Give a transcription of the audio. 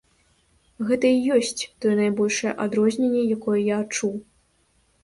Гэта і ёсць тое найбольшае адрозненне, якое я адчуў.